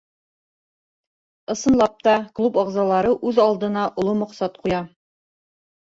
Ысынлап та, клуб ағзалары үҙ алдына оло маҡсат ҡуя.